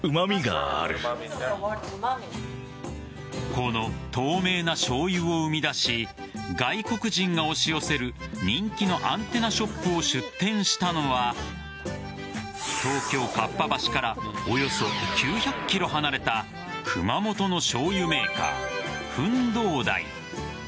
この透明なしょうゆを生み出し外国人が押し寄せる人気のアンテナショップを出店したのは東京・かっぱ橋からおよそ９００ｋｍ離れた熊本のしょうゆメーカーフンドーダイ。